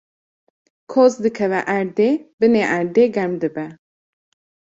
koz dikeve erdê, binê erdê germ dibe